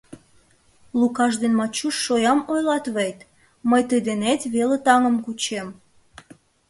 Лукаш ден Мачуш шоям ойлат вет: мый тый денет веле таҥым кучем...